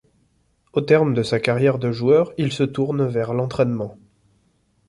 Au terme de sa carrière de joueur, il se tourne vers l'entraînement.